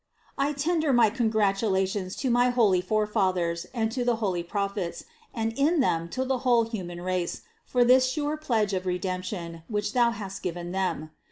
I tender my congratulations to my holy forefathers and to the holy Prophets, and in them to the whole human race, for this sure pledge of Redemption, which Thou hast given them.